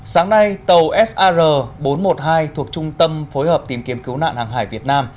sáng nay tàu sar bốn trăm một mươi hai thuộc trung tâm phối hợp tìm kiếm cứu nạn hàng hải việt nam